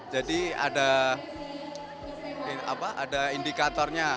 jadi ada indikatornya